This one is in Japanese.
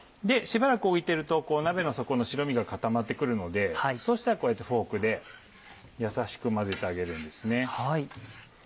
しばらく置いてると鍋の底の白身が固まって来るのでそしたらこうやってフォークでやさしく混ぜてあげるんですね。